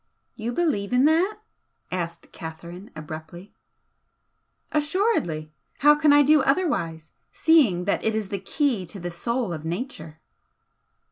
'" "You believe in that?" asked Catherine, abruptly. "Assuredly! How can I do otherwise, seeing that it is the Key to the Soul of Nature?"